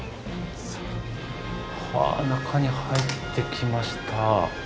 はあ中に入ってきました。